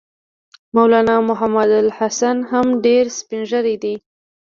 مولنا محمودالحسن هم ډېر سپین ږیری دی.